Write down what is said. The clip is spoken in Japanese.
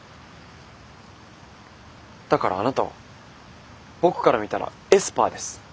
だからあなたは僕から見たらエスパーです。